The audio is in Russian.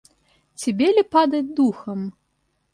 Тебе ли падать духом!